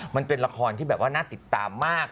มันเป็นละครที่น่าติดตามมาก